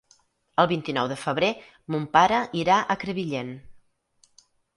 El vint-i-nou de febrer mon pare irà a Crevillent.